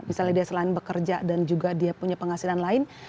misalnya dia selain bekerja dan juga dia punya penghasilan lain